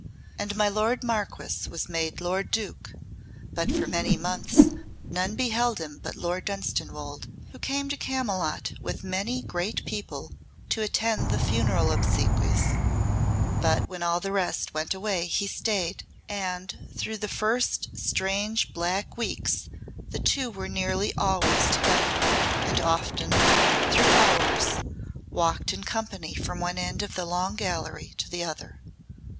And my lord Marquess was my lord Duke; but for many months none beheld him but Lord Dunstanwolde, who came to Camylott with many great people to attend the funeral obsequies; but when all the rest went away he stayed, and through the first strange black weeks the two were nearly always together, and often, through hours, walked in company from one end of the Long Gallery to the other.